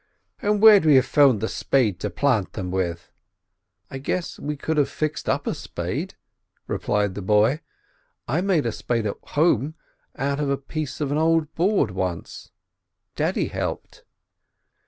"And where'd we have found the spade to plant them with?" "I guess we could have fixed up a spade," replied the boy. "I made a spade at home, out of a piece of old board, once—daddy helped."